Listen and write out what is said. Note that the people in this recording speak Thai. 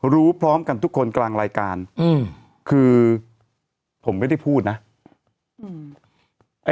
รู้พร้อมกันทุกคนกลางรายการคือผมไม่ได้พูดนะ